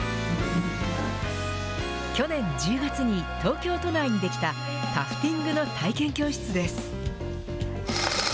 去年１０月に東京都内に出来たタフティングの体験教室です。